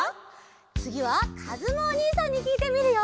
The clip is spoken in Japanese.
つぎはかずむおにいさんにきいてみるよ！